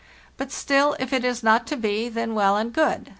But still, if it is not to be, then well and good.